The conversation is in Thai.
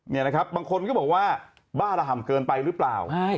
นี่นะครับบางคนก็บอกว่าบ้าระห่ำเกินไปหรือเปล่า